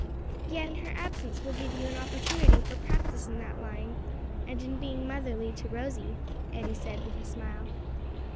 "Yes; and her absence will give you an opportunity for practice in that line, and in being motherly to Rosie," Eddie said with a smile.